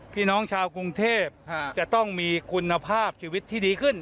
พี่น้องชาวกรุงเทพจะต้องมีคุณภาพชีวิตที่ดีขึ้น